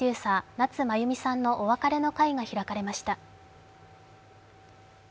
夏まゆみさんのお別れの会が開かれました。